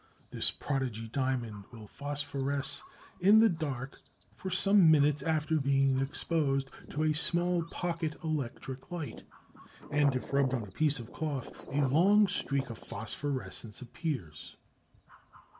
This prodigy diamond will phosphoresce in the dark for some minutes after being exposed to a small pocket electric light, and if rubbed on a piece of cloth a long streak of phosphorescence appears.